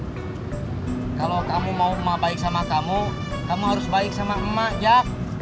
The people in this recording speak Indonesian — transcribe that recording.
kalau kamu mau emak baik sama kamu kamu harus baik sama emak jak